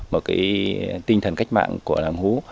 một cái tinh thần cách mạng của làng hú